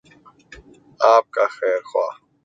آپ کا خیرخواہ۔